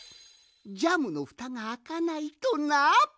ジャムのふたがあかないとな！